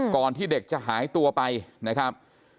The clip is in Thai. ก่อนที่เด็กจะหายตัวไปนะครับ